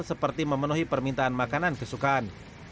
seperti memenuhi permintaan makanan kesukaan